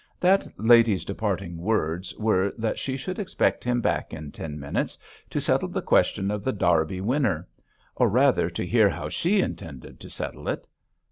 That lady's parting words were that she should expect him back in ten minutes to settle the question of The Derby Winner; or rather to hear how she intended to settle it.